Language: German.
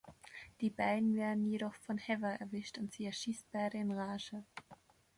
Die beiden werden jedoch von Heather erwischt und sie erschießt beide in Rage.